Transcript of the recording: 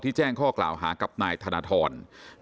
แจ้งข้อกล่าวหากับนายธนทร